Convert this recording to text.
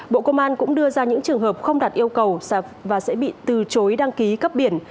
bộ công an cũng đưa ra những trường hợp không đạt yêu cầu và sẽ bị từ chối đăng ký cấp biển